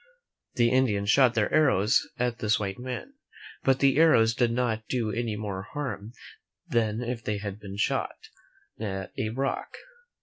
The Indians shot their arrows at this white man, but the arrows did not do any more harm than if they had been shot at a rock.